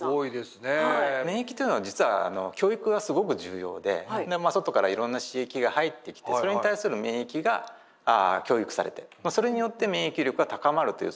免疫というのは実は教育がすごく重要で外からいろんな刺激が入ってきてそれに対する免疫が教育されてそれによって免疫力が高まるという側面もあります。